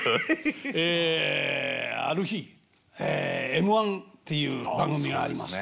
えある日「Ｍ−１」っていう番組がありました。